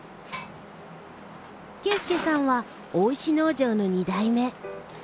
啓介さんは大石農場の２代目。